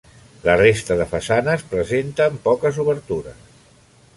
La resta de façanes presenten poques obertures.